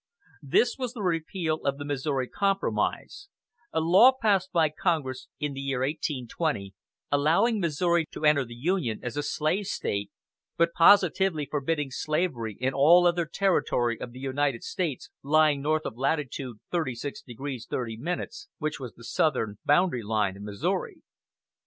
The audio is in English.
This was the repeal of the "Missouri Compromise," a law passed by Congress in the year 1820, allowing Missouri to enter the Union as a slave State, but positively forbidding slavery in all other territory of the United States lying north of latitude 36 degrees 30 minutes, which was the southern boundary line of Missouri.